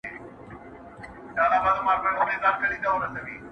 و هسک ته خېژي سپیني لاري زما له توري سینې،